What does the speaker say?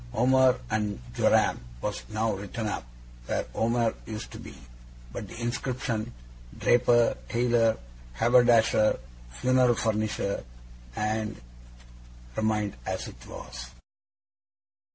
OMER AND Joram was now written up, where OMER used to be; but the inscription, DRAPER, TAILOR, HABERDASHER, FUNERAL FURNISHER, &c., remained as it was.